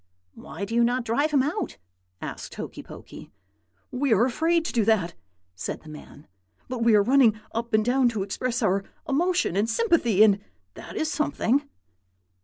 "'Why do you not drive him out?' asked Hokey Pokey. "'We are afraid to do that,' said the man; 'but we are running up and down to express our emotion and sympathy, and that is something.'